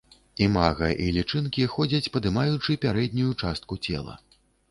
Імага і лічынкі ходзяць, падымаючы пярэднюю частку цела.